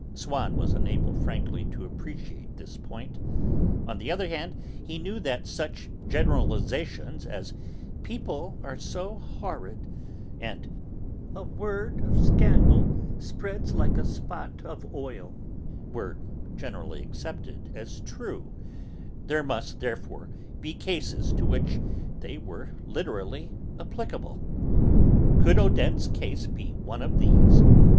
Swann was unable, frankly, to appreciate this point; on the other hand, he knew that such generalisations as "People are so horrid," and "A word of scandal spreads like a spot of oil," were generally accepted as true; there must, therefore, be cases to which they were literally applicable. Could Odette's case be one of these?